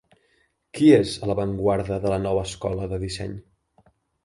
Qui és a l'avantguarda de la nova escola de disseny?